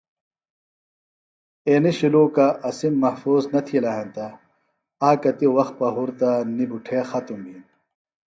اینیۡ شُلوکہ اسِم محفوظ نہ تِھیلہ ہینتہ آکتیۡ وقت پہُرتہ نیۡ بُٹھے ختم بِھین